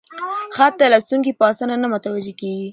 خط ته لوستونکي په اسانه نه متوجه کېږي: